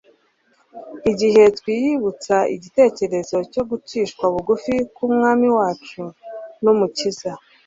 Igihe twiyibutsa igitekerezo cyo gucishwa bugufi k'Umwami wacu n'Umukiza,